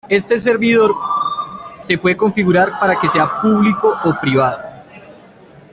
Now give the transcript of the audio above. Este servidor se puede configurar para que sea público o privado.